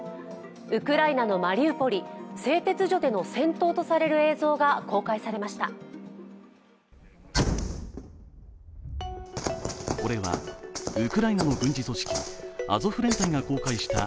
ウクライナのマリウポリ、製鉄所での戦闘とされる映像が公開されました。